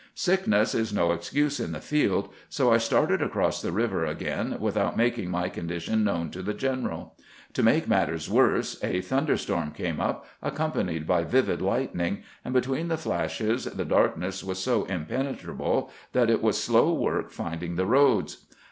Sickness is no excuse in the field, so I started across the river again without making my con dition known to the general. To make matters worse, a thunder storm came up, accompanied by vivid lightning, and between the fiashes the darkness was so impenetrable that it was slow work finding the roads.